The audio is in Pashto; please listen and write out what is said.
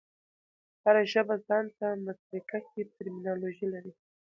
هره ژبه ځان ته مسلکښي ټرمینالوژي لري.